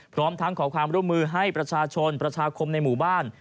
พร้อมทั้งขอความร่วมมือให้ประชาชนประชาคมในหมู่บ้าน